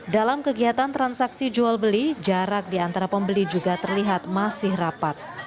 dalam kegiatan transaksi jual beli jarak di antara pembeli juga terlihat masih rapat